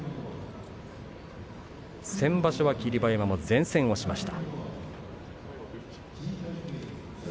先場所は霧馬山、善戦しました。